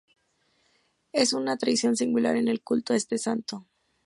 Es una tradición singular en el culto a este Santo.